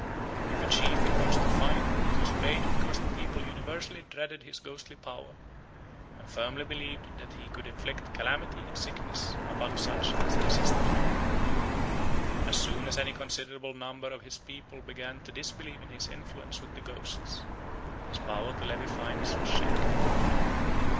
If a chief imposed a fine, it was paid because the people universally dreaded his ghostly power, and firmly believed that he could inflict calamity and sickness upon such as resisted him. As soon as any considerable number of his people began to disbelieve in his influence with the ghosts, his power to levy fines was shaken.